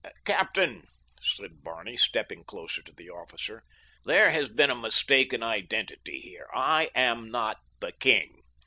"Captain," said Barney, stepping closer to the officer, "there has been a mistake in identity here. I am not the king.